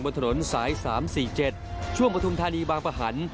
บนถนนสาย๓๔๗ช่วงปฐุมธานีบางประหัน